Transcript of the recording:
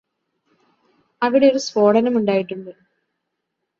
അവിടെ ഒരു സ്ഫോടനമുണ്ടായിട്ടുണ്ട്